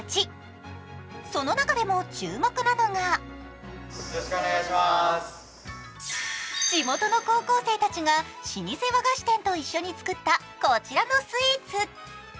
その中でも注目なのが地元の高校生たちが老舗和菓子店と一緒に作ったこちらのスイーツ。